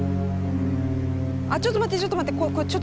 あちょっと待ってちょっと待って。